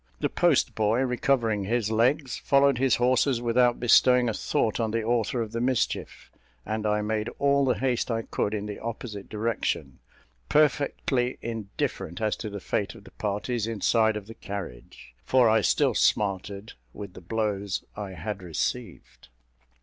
The post boy, recovering his legs, followed his horses without bestowing a thought on the author of the mischief; and I made all the haste I could in the opposite direction, perfectly indifferent as to the fate of the parties inside of the carriage, for I still smarted with the blows I had received.